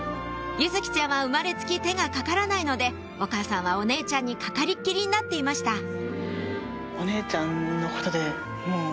柚來ちゃんは生まれつき手がかからないのでお母さんはお姉ちゃんにかかりっきりになっていました